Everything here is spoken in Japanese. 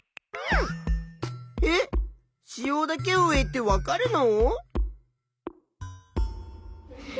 えっ子葉だけを植えてわかるの？